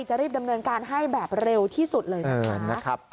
จะรีบดำเนินการให้แบบเร็วที่สุดเลยนะครับ